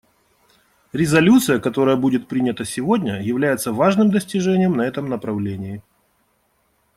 Резолюция, которая будет принята сегодня, является важным достижением на этом направлении.